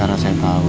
karena saya tahu